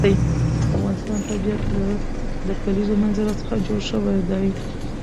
د افغانستان طبیعت له د کلیزو منظره څخه جوړ شوی دی.